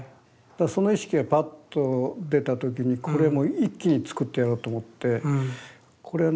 その意識がバッと出た時にこれもう一気に作ってやろうと思ってこれはね